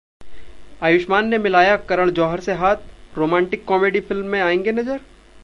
आयुष्मान ने मिलाया करण जौहर से हाथ, रोमांटिक कॉमेडी फिल्म में आएंगे नजर?